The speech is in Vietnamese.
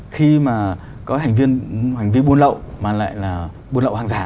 khi mà có hành viên buôn lậu mà lại là buôn lậu hàng giả